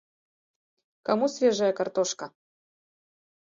— Кому свежая картошка?